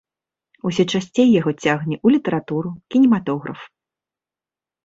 Усё часцей яго цягне ў літаратуру, кінематограф.